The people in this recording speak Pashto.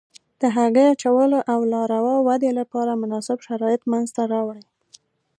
د هګۍ اچولو او لاروا ودې لپاره مناسب شرایط منځته راوړي.